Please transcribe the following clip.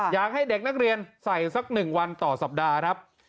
อยากให้เด็กนักเรียนใส่สัก๑วันต่อสัปดาห์ครับ